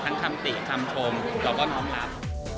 ทั้งคำติคำโธมแล้วก็คำรับ